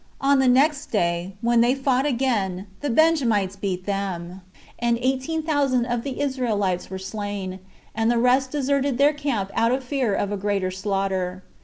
On the next day, when they fought again, the Benjamites beat them; and eighteen thousand of the Israelites were slain, and the rest deserted their camp out of fear of a greater slaughter.